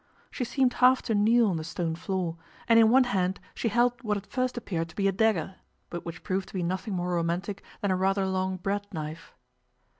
She seemed half to kneel on the stone floor, and in one hand she held what at first appeared to be a dagger, but which proved to be nothing more romantic than a rather long bread knife.